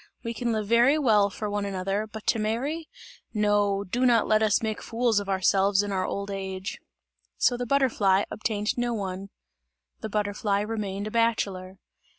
We can live very well for one another, but to marry? No! Do not let us make fools of ourselves in our old age." So the butterfly obtained no one. The butterfly remained a bachelor.